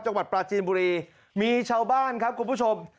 จังหวัดปราจีนบุรีมีชาวบ้านครับคุณผู้ชม